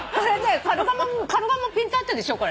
カルガモピント合ってるでしょ？